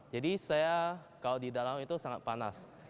jadi saya kalau di dalam itu sangat panas